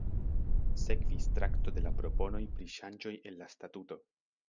Sekvis trakto de la proponoj pri ŝanĝoj en la statuto.